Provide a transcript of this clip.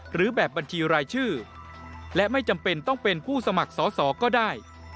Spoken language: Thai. หรือแบบบัญชีรายชื่อและไม่จำเป็นต้องเป็นผู้สมัครสอสอก็ได้